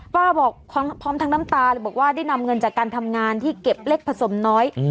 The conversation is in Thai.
ป้าบอกพร้อมทั้งน้ำตาเลยบอกว่าได้นำเงินจากการทำงานที่เก็บเล็กผสมน้อย